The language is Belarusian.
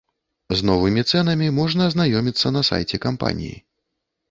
З новымі цэнамі можна азнаёміцца на сайце кампаніі.